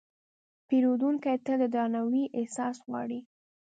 پیرودونکی تل د درناوي احساس غواړي.